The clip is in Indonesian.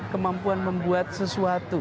kemampuan membuat sesuatu